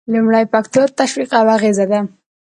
لومړی فکتور تشویق او اغیزه ده.